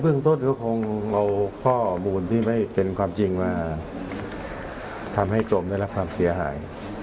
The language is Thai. เรื่องต้นก็คงเอาข้อมูลที่ไม่เป็นความจริงมาทำให้กรมได้รับความเสียหาย